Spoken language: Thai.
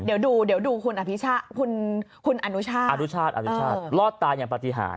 เดี๋ยวดูเดี๋ยวดูคุณอนุชาติอนุชาติอนุชาติรอดตายอย่างปฏิหาร